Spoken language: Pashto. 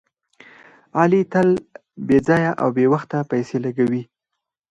علي تل بې ځایه او بې وخته پیسې لګوي.